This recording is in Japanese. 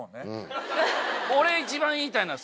俺一番言いたいのは。